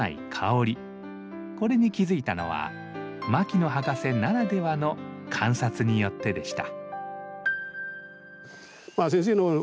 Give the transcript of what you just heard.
これに気付いたのは牧野博士ならではの観察によってでした。